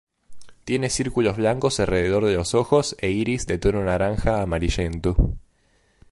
Tiene círculos blancos alrededor de los ojos e iris de tono naranja amarillento.